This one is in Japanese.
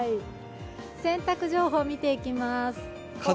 洗濯情報見ていきます。